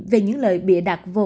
về những lời bịa đặt